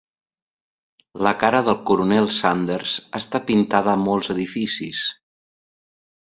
La cara del coronel Sanders està pintada a molts edificis.